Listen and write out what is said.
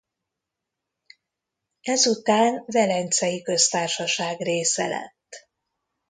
Ezután Velencei Köztársaság része lett.